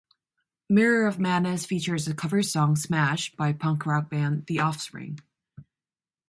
"Mirror of Madness" features a cover song, "Smash" by punk rock band The Offspring.